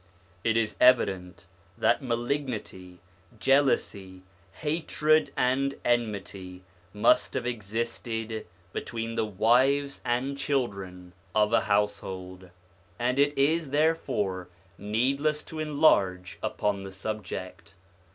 It is evident that malignity, jealousy, hatred, and enmity must have existed between the wives and children of a household, and it is therefore needless to enlarge upon the subject.